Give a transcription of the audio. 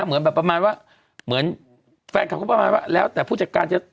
เหมือนแบบประมาณว่าเหมือนแฟนคลับก็ประมาณว่าแล้วแต่ผู้จัดการจะ